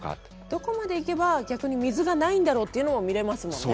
どこまで行けば逆に水がないんだろうっていうのを見れますもんね。